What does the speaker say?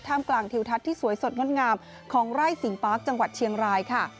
มกลางทิวทัศน์ที่สวยสดงดงามของไร่สิงปาร์คจังหวัดเชียงรายค่ะ